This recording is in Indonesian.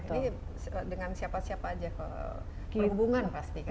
jadi dengan siapa siapa saja perhubungan pasti kan ya